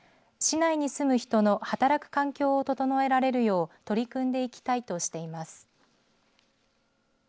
市内に住む人の働く環境を整えられるよう取り組んでいきたいとしています。